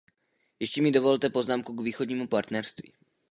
Ještě mi dovolte poznámku k východnímu partnerství.